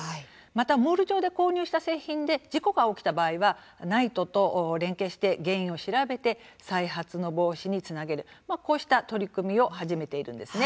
また、モール上で購入した製品で事故が起きた場合はＮＩＴＥと連携して原因を調べて再発の防止につなげるこうした取り組みを始めているんです。